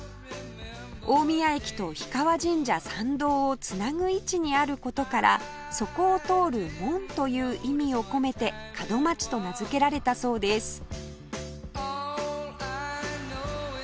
大宮駅と氷川神社参道を繋ぐ位置にある事からそこを通る門という意味を込めて門街と名付けられたそうです